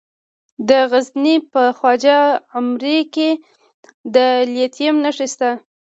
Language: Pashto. د غزني په خواجه عمري کې د لیتیم نښې شته.